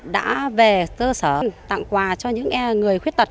đã về cơ sở tặng quà cho những người khuyết tật